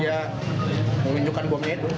dia meminjukan bomnya itu